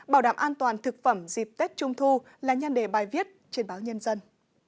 bảo đảm an toàn thực phẩm dịp tết trung thu là nhan đề bài viết trên báo nhân dân